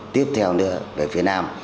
tiếp theo nữa về phía nam